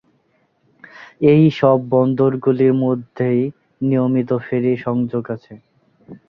এই সব বন্দরগুলির মধ্যেই নিয়মিত ফেরি সংযোগ আছে।